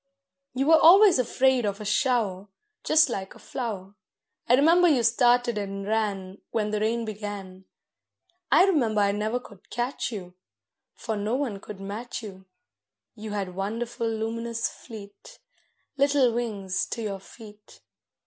You were always afraid of a shower, Just like a flower: I remember you started and ran When the rain began. I remember I never could catch you, For no one could match you, You had wonderful, luminous, fleet, Little wings to your feet.